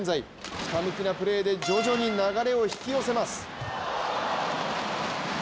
ひたむきなプレーで徐々に流れを引き寄せます。